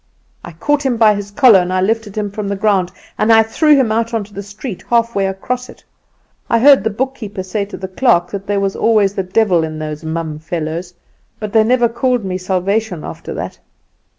"I caught him by his collar, and I lifted him from the ground, and I threw him out into the street, half way across it. I heard the bookkeeper say to the clerk that there was always the devil in those mum fellows; but they never called me Salvation after that.